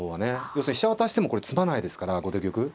要するに飛車渡してもこれ詰まないですから後手玉。